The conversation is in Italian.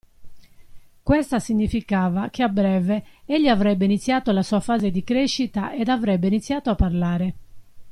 Questa significava che, a breve, egli avrebbe iniziato la sua fase di crescita ed avrebbe iniziato a parlare.